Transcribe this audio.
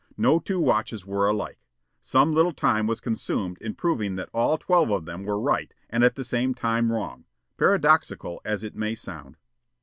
No two watches were alike. Some little time was consumed in proving that all twelve of them were right and at the same time wrong, paradoxical as it may sound.